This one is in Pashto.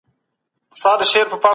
د ژباړو او مصححو توپیرونه هم مهم دي.